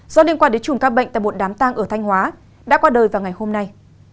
do liên quan đến chùm ca bệnh tại một đám tang ở thanh hóa đã qua đời vào ngày hôm nay